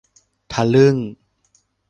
ทะลึ่ง